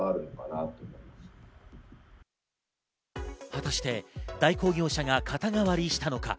果たして代行業者が肩代わりしたのか？